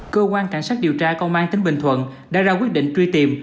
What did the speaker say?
cơ quan cảnh sát điều tra công an tỉnh bình thuận đã ra quyết định truy tìm